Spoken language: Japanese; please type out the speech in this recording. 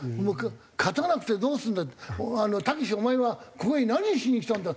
「勝たなくてどうするんだ？」って「たけしお前はここに何しに来たんだ？」